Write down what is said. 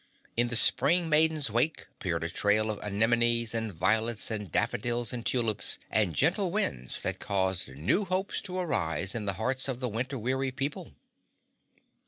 In the Spring Maiden's wake appeared a trail of anemones and violets and daffodils and tulips, and gentle winds that caused new hopes to arise in the hearts of the winter weary people.